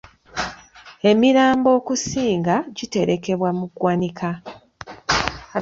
Emirambo okusinga giterekebwa mu ggwanika.